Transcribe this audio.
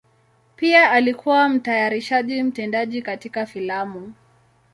Pia alikuwa mtayarishaji mtendaji katika filamu.